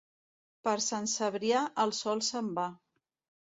Per Sant Cebrià, el sol se'n va.